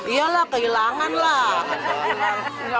iyalah kehilangan lah